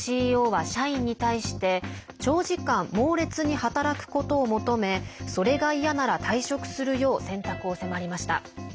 ＣＥＯは社員に対して長時間、猛烈に働くことを求めそれが嫌なら退職するよう選択を迫りました。